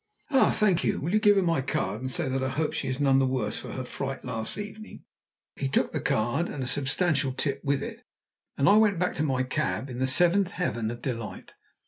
"Ah! Thank you. Will you give her my card, and say that I hope she is none the worse for her fright last evening?" He took the card, and a substantial tip with it, and I went back to my cab in the seventh heaven of delight.